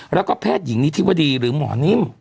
แล้วก็แพทย์หญิงนิธิวดีหรือหมอนิ่ม